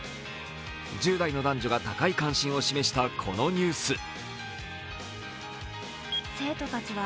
１０代の男女が高い関心を示したこのニュース。